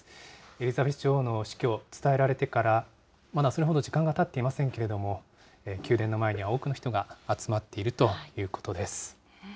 エリザベス女王の死去、伝えられてからまだそれほど時間はたっていませんけれども、宮殿の前には多くの人が集まっているということです。